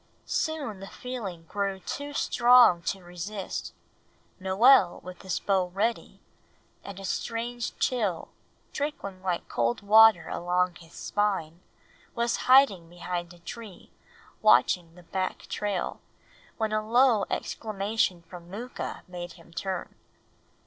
Soon the feeling grew too strong to resist. Noel with his bow ready, and a strange chill trickling like cold water along his spine, was hiding behind a tree watching the back trail, when a low exclamation from Mooka made him turn.